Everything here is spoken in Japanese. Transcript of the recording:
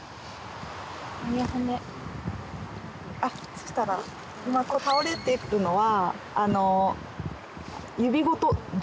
そしたら今こう倒れてるのは。